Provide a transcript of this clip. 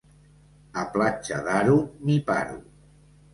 A Platja d'Aro m'hi paro.